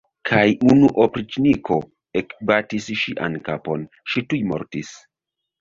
Kaj unu opriĉniko ekbatis ŝian kapon, ŝi tuj mortis!